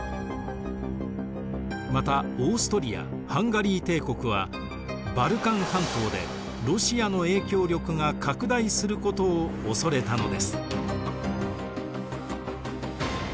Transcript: またオーストリア＝ハンガリー帝国はバルカン半島でロシアの影響力が拡大することを恐れたのです。